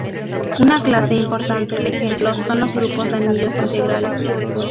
Una clase importante de ejemplos son los grupos de anillos integrales.